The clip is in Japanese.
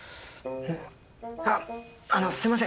あっあのすいません。